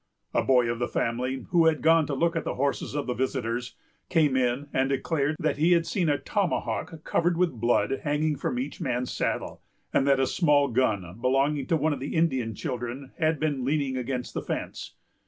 A boy of the family, who had gone to look at the horses of the visitors, came in and declared that he had seen a tomahawk, covered with blood, hanging from each man's saddle; and that a small gun, belonging to one of the Indian children, had been leaning against the fence.